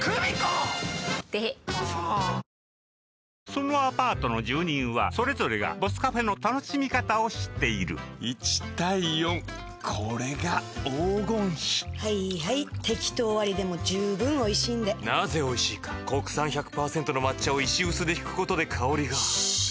そのアパートの住人はそれぞれが「ＢＯＳＳＣＡＦＥ」の楽しみ方を知っている１：４これが黄金比はいはいテキトー割でもじゅうぶん美味しいんでなぜ美味しいか国産１００％の抹茶を石臼で引くことで香りがシーッ！